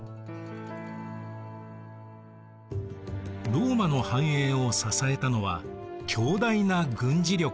ローマの繁栄を支えたのは強大な軍事力でした。